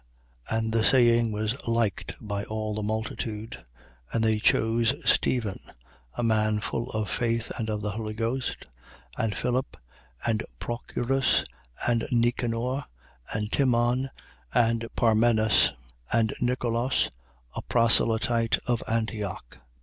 6:5. And the saying was liked by all the multitude. And they chose Stephen, a man full of faith and of the Holy Ghost, and Philip and Prochorus and Nicanor, and Timon and Parmenas and Nicolas, a proselyte of Antioch.